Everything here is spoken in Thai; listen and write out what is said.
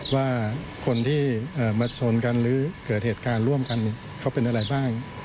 ว่าคนที่มาชนกันหรือเกิดเหตุการณ์ร่วมกันเขาเป็นอะไรบ้าง